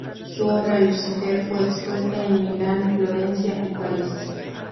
Su obra "Lucifer" fue expuesta en Milán, Florencia y París.